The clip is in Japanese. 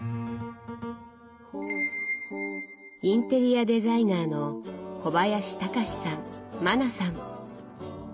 インテリアデザイナーの小林恭さんマナさん。